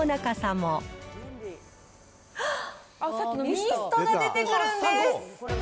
ミストが出てくるんです。